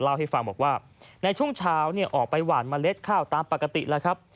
เล่าให้ฟังบอกว่าในช่วงเช้าออกไปหวานเมล็ดข้าวตามปกติแล้วครับ